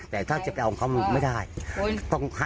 และนี่เขาจมไปเลยนะ